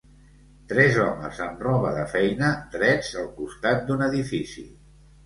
Tres homes amb roba de feina drets al costat d'un edifici.